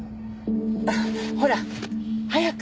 ほら早く！